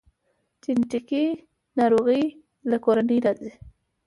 جنیټیکي ناروغۍ له کورنۍ راځي